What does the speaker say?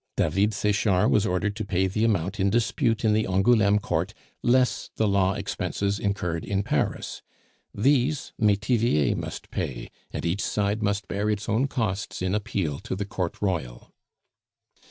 David Sechard was ordered to pay the amount in dispute in the Angouleme Court, less the law expenses incurred in Paris; these Metivier must pay, and each side must bear its own costs in the appeal to the Court Royal.